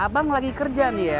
abang lagi kerja nih ya